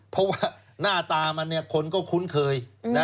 เพราะว่าหน้าตามันคนก็คุ้นเคย